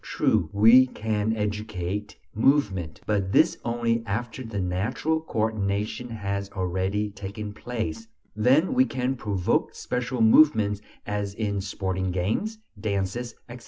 True, we can educate movement; but this only after the natural coordination has already taken place; then we can "provoke" special movements as in sporting games, dances, etc.